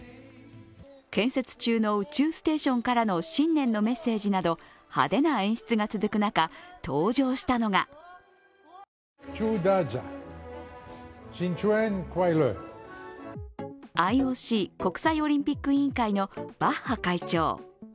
建設中の宇宙ステーションからの新年のメッセージなど派手な演出が続く中登場したのがＩＯＣ＝国際オリンピック委員会のバッハ会長。